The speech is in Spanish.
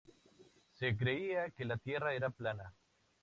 Se creía que la tierra era plana.